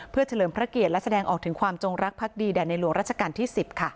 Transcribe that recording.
เพื่อเฉลิมพระเกียรติและแสดงออกถึงความจงรักภักดีแด่ในหลวงราชการที่๑๐